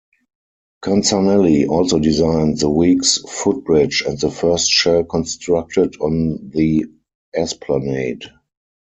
Canzanelli also designed the Weeks footbridge and the first shell constructed on the Esplanade.